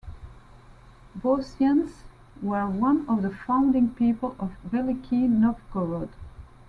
Votians were one of the founding people of Veliky Novgorod.